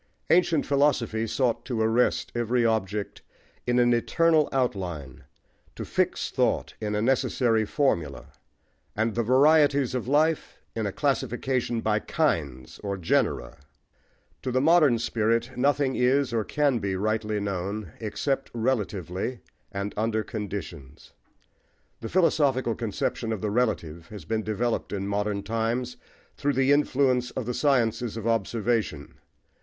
Ancient philosophy sought to arrest every object in an eternal outline, to fix thought in a necessary formula, and the varieties of life in a classification by "kinds," or genera. To the modern spirit nothing is, or can be rightly known, except relatively and under conditions. The philosophical conception of the relative has been developed in modern times through the influence of the sciences of observation.